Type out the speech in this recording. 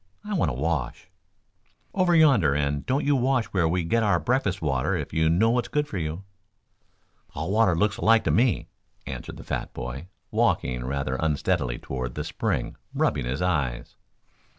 I want to wash." "Over yonder, and don't you wash where we get our breakfast water if you know what's good for you." "All water looks alike to me," answered the fat boy, walking rather unsteadily toward the spring, rubbing his eyes.